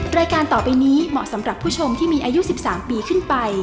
รายการต่อไปนี้เหมาะสำหรับผู้ชมที่มีอายุ๑๓ปีขึ้นไป